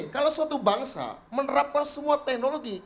kalau suatu bangsa menerapkan semua teknologi